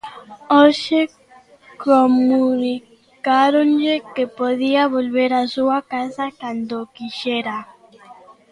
Hoxe comunicáronlle que podía volver á súa casa cando quixera.